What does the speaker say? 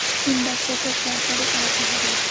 সিম্বার চোখের সার্জারি করাতে হবে।